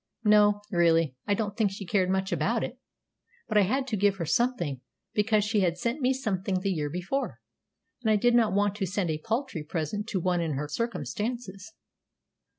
"No, really, I don't think she cared much about it; but I had to give her something, because she had sent me something the year before, and I did not want to send a paltry present to one in her circumstances."